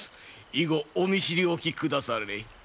以後お見知りおきくだされ。